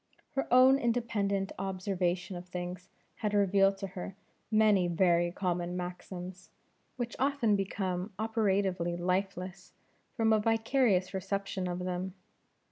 Her own independent observation of things, had revealed to her many very common maxims, which often become operatively lifeless from a vicarious reception of them.